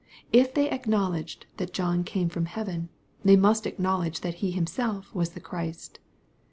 If they acknowledged that John eame from heaven, they must acknowledge that He Himself was the Christ.